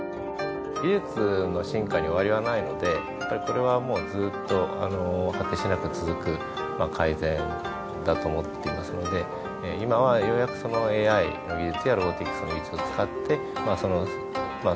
技術の進化に終わりはないのでやっぱりこれはもうずっと果てしなく続く改善だと思っていますので今はようやくそのＡＩの技術やロボティクスの技術を使ってまあ